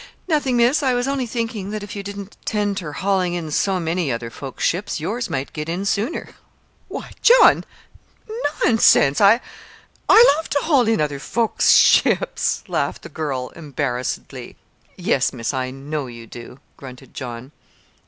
"Nothing, Miss. I was only thinkin' that if you didn't 'tend ter haulin' in so many other folks's ships, yours might get in sooner." "Why, John! Nonsense! I I love to haul in other folks's ships," laughed the girl, embarrassedly. "Yes, Miss; I know you do," grunted John.